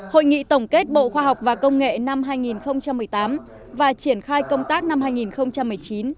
hội nghị tổng kết bộ khoa học và công nghệ năm hai nghìn một mươi tám và triển khai công tác năm hai nghìn một mươi chín